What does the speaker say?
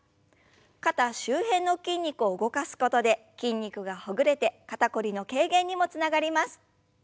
肩周辺の筋肉を動かすことで筋肉がほぐれて肩こりの軽減にもつながります。